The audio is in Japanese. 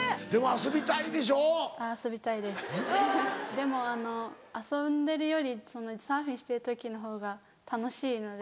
でも遊んでるよりサーフィンしてる時のほうが楽しいので。